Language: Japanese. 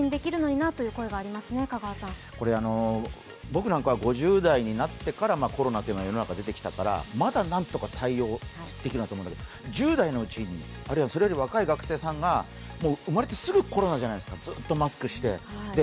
僕なんかは５０代になってからコロナというのが世の中に出てきたからまだ何とか対応できるんだけど、１０代のうち、あるいはそれより若い学生さんが生まれてすぐコロナじゃないですか、ずっとマスクして。